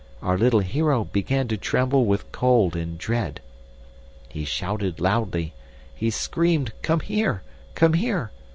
Our little hero began to tremble with cold and dread. He shouted loudly; he screamed, 'Come here! come here!